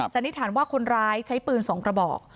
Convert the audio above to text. สันนิษฐานว่าคนร้ายใช้ปืน๒กระบอก